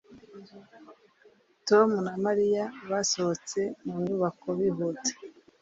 Tom na Mariya basohotse mu nyubako bihuta